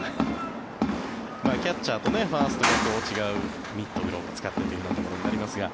キャッチャーとファーストで違うミットを使ってというところになりますが。